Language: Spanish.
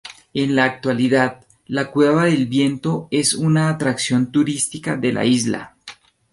En la actualidad, la Cueva del Viento es una atracción turística de la isla.